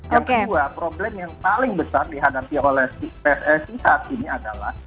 yang kedua problem yang paling besar dihadapi oleh pssi saat ini adalah